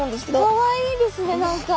かわいいですね何か。